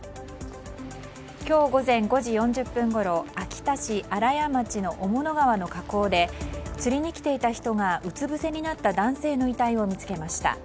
今日午前５時４０分ごろ秋田市新屋町の雄物川の河口で釣りに来ていた人がうつぶせになった男性の遺体を見つけました。